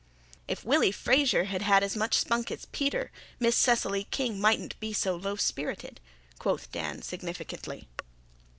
"If Willy Fraser had had as much spunk as Peter, Miss Cecily King mightn't be so low spirited," quoth Dan, significantly.